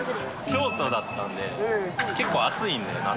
京都だったんで、結構、暑いんで、夏。